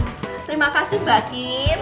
terima kasih mbak kim